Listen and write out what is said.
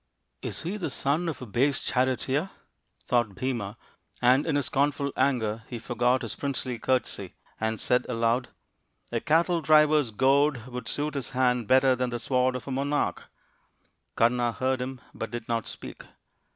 " Is he the son of a base charioteer ?" thought Bhima, and in his scornful anger he forgot his princely courtesy, and said aloud, " A cattle driver's goad would suit his hand better than the sword of a monarch." Kama heard him but did not speak.